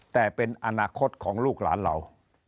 แต่เป็นอนาคตของลูกหลานเรา